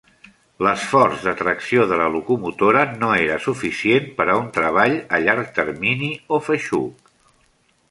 L'esforç de tracció de la locomotora no era suficient per a un treball a llarg termini o feixuc.